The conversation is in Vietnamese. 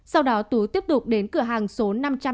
sau đó tú tiếp tục đến cửa hàng số năm